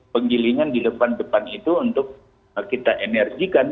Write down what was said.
penggilingan di depan depan itu untuk kita energikan